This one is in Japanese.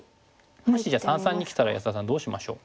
もしじゃあ三々にきたら安田さんどうしましょう？